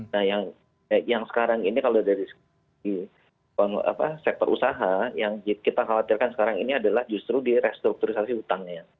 nah yang sekarang ini kalau dari sektor usaha yang kita khawatirkan sekarang ini adalah justru di restrukturisasi hutangnya